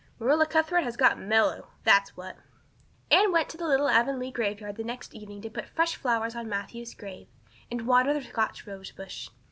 "Marilla Cuthbert has got mellow. That's what." Anne went to the little Avonlea graveyard the next evening to put fresh flowers on Matthew's grave and water the Scotch rosebush.